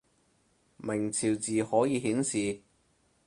明朝字可以顯示